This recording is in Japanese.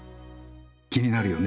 気になるよね。